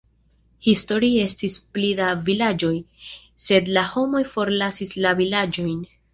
Historie estis pli da vilaĝoj, sed la homoj forlasis la vilaĝojn.